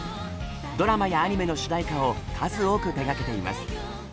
ドラマやアニメの主題歌を数多く手がけています。